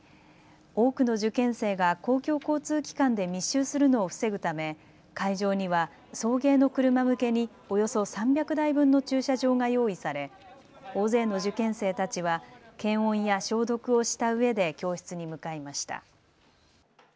多くの受験生が公共交通機関で密集するのを防ぐため会場には送迎の車向けにおよそ３００台分の駐車場が用意され大勢の受験生たちは検温や消毒をしたうえで教室に向かいました。